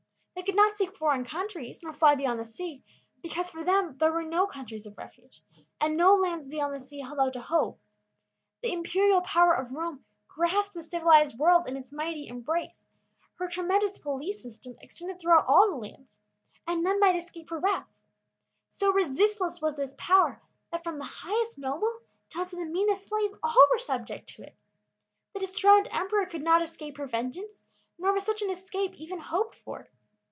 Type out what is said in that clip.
They could not seek foreign countries nor fly beyond the sea, because for them there were no countries of refuge, and no lands beyond the sea held out a hope. The imperial power of Rome grasped the civilized world in its mighty embrace; her tremendous police system extended through all lands, and none might escape her wrath. So resistless was this power, that from the highest noble down to the meanest slave, all were subject to it. The dethroned emperor could not escape her vengeance, nor was such an escape even hoped for.